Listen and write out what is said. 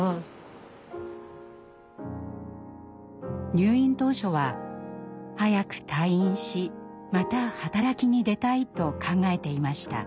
入院当初は早く退院しまた働きに出たいと考えていました。